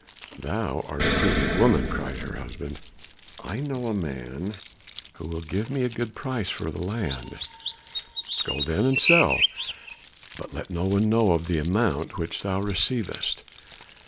"Thou art a prudent woman!" cried her husband. "I know a man who will give me a good price for the land." "Go then and sell, but let no one know of the amount which thou receivest.